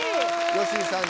吉井さん